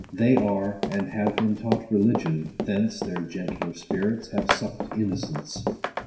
They are, and have been taught religion ; thence Their gentler spirits have suck'd innocence.